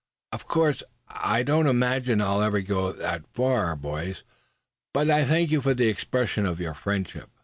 "Of course I don't imagine it'll ever go that far, boys; but I thank you for this expression of your friendship.